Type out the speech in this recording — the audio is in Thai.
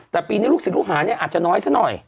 แต่ปีนี้ลูกศิษย์ลูกหาเนี่ยอาจจะน้อยซะหน่อย